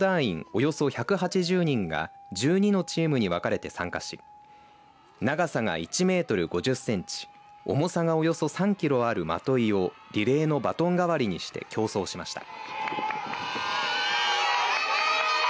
およそ１８０人が１２のチームに分かれて参加し長さが１メートル５０センチ重さがおよそ３キロあるまといをリレーのバトン代わりにして競争しました。